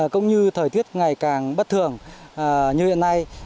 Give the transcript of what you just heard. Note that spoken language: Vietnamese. cũng như thời tiết ngày càng bất thường như hiện nay